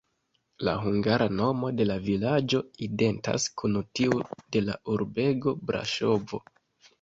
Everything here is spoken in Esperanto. La hungara nomo de la vilaĝo identas kun tiu de la urbego Braŝovo.